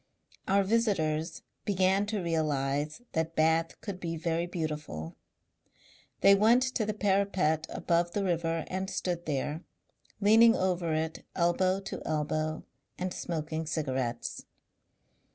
Our visitors began to realize that Bath could be very beautiful. They went to the parapet above the river and stood there, leaning over it elbow to elbow and smoking cigarettes.